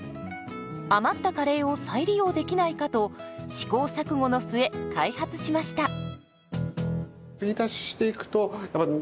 余ったカレーを再利用できないかと試行錯誤の末開発しました。